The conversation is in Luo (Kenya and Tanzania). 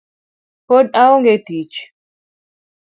Pod aonge tich